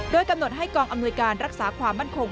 โดยกำหนดให้กองอำนวยการรักษาความมั่นคง